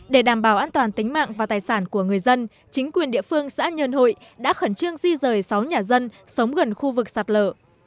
để đảm bảo an toàn tính mạng và tài sản của người dân chính quyền địa phương xã nhơn hội đã khẩn trương di rời sáu nhà dân sống gần khu vực sạt lở